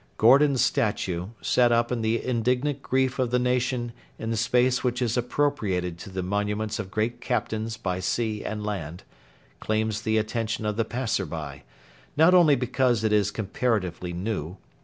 Gordon's statue, set up in the indignant grief of the nation in the space which is appropriated to the monuments of Great Captains by sea and land, claims the attention of the passer by, not only because it is comparatively new.